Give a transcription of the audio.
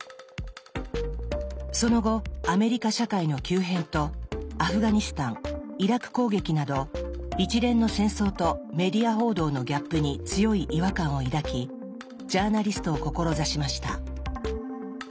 その後アメリカ社会の急変とアフガニスタンイラク攻撃など一連の戦争とメディア報道のギャップに強い違和感を抱きジャーナリストを志しました。